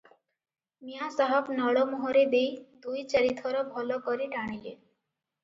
ମିଆଁ ସାହାବ ନଳ ମୁହଁରେ ଦେଇ ଦୁଇ ଚାରି ଥର ଭଲ କରି ଟାଣିଲେ ।